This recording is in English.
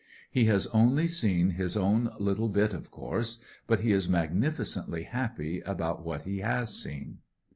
He has only seen his own little bit, of course ; but he is magnificently happy about what he has seen.